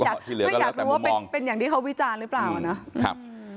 ไม่อยากรู้ว่าเป็นเป็นอย่างที่เขาวิจารณ์หรือเปล่าอ่ะนะครับ